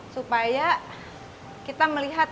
supaya kita melihat